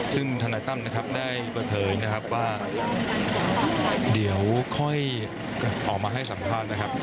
ซึ่งธนายตั้มนะครับได้เปิดเผยนะครับว่าเดี๋ยวค่อยออกมาให้สัมภาษณ์นะครับ